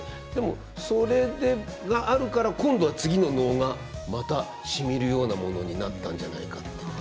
でもそれがあるから今度は次の能がまたしみるようなものになったんじゃないかって。